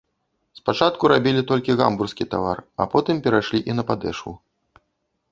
Спачатку рабілі толькі гамбургскі тавар, а потым перайшлі і на падэшву.